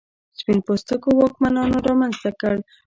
سپین پوستو واکمنانو رامنځته کړ.